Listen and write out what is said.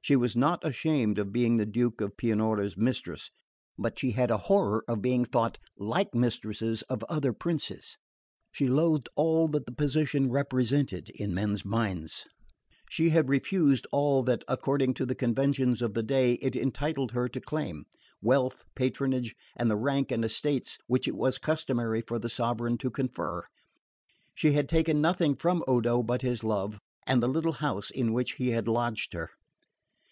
She was not ashamed of being the Duke of Pianura's mistress; but she had a horror of being thought like the mistresses of other princes. She loathed all that the position represented in men's minds; she had refused all that, according to the conventions of the day, it entitled her to claim: wealth, patronage, and the rank and estates which it was customary for the sovereign to confer. She had taken nothing from Odo but his love, and the little house in which he had lodged her.